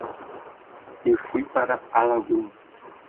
Eu fui para a lagoa.